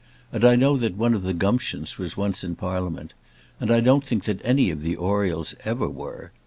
And I know that one of the Gumptions was once in Parliament; and I don't think that any of the Oriels ever were.